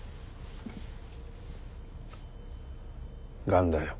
がんだよ。